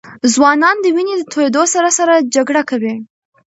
ځوانان د وینې د تویېدو سره سره جګړه کوي.